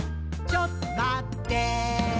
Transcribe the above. ちょっとまってぇー」